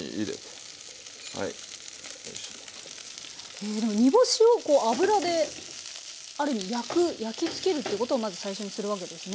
へえでも煮干しを油である意味焼く焼きつけるということをまず最初にするわけですね。